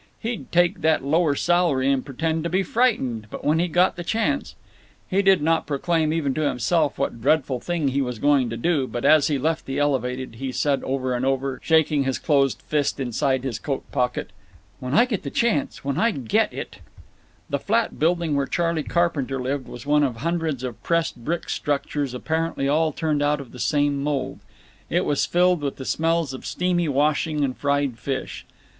He'd take that lower salary and pretend to be frightened, but when he got the chance— He did not proclaim even to himself what dreadful thing he was going to do, but as he left the Elevated he said over and over, shaking his closed fist inside his coat pocket: "When I get the chance—when I get it—" The flat building where Charley Carpenter lived was one of hundreds of pressed brick structures, apparently all turned out of the same mold. It was filled with the smells of steamy washing and fried fish.